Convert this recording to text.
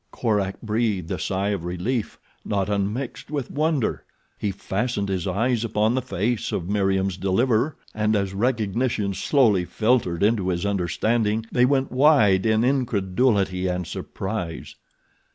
Korak breathed a sigh of relief not unmixed with wonder. He fastened his eyes upon the face of Meriem's deliverer and as recognition slowly filtered into his understanding they went wide in incredulity and surprise.